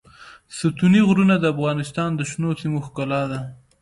ستوني غرونه د افغانستان د شنو سیمو ښکلا ده.